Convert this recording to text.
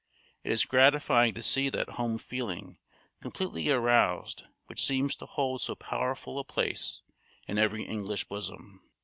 It is gratifying to see that home feeling completely aroused which seems to hold so powerful a place in every English bosom.